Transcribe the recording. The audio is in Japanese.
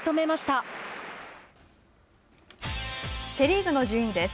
セ・リーグの順位です。